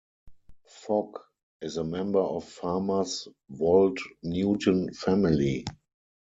Fogg is a member of Farmer's Wold Newton family.